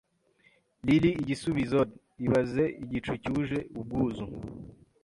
Lily igisubizod ibaze igicu cyuje ubwuzu